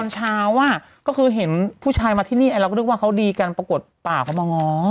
เช้าก็คือเห็นผู้ชายมาที่นี่เราก็นึกว่าเขาดีกันปรากฏป่าเขามาง้อ